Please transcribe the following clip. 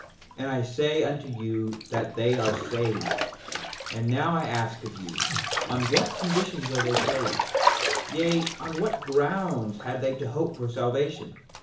And I say unto you that they are saved. 5:10 And now I ask of you on what conditions are they saved? Yea, what grounds had they to hope for salvation?